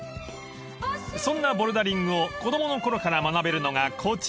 ［そんなボルダリングを子供のころから学べるのがこちら。